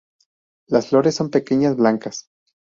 Las flores son pequeñas, blancas.